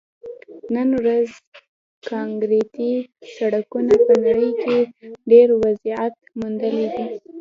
نن ورځ کانکریټي سړکونو په نړۍ کې ډېر وسعت موندلی دی